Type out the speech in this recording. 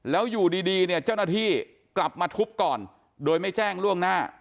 แล้วอยู่ดีเนี่ยเจ้าหน้าที่กลับมาทุบก่อนโดยไม่แจ้งล่วงหน้า